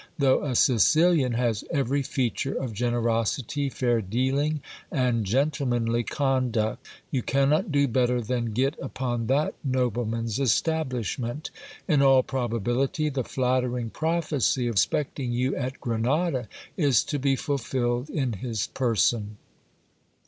though a Sicilian, has every feature of generosity, fair dealing, and gentlemanly conduct. You cannot do better than get upon that noble man's establishment. la all probability, the flattering prophecy respecting you at Grenada is to be fulfilled in his person.